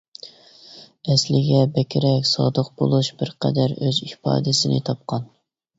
ئەسلىگە بەكرەك سادىق بولۇش بىر قەدەر ئۆز ئىپادىسىنى تاپقان.